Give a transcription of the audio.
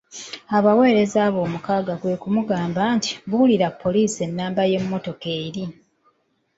Abaweereza abo omukaaga kwe kumugamba nti: "Buulira Poliisi ennamba y'emmotoka eri."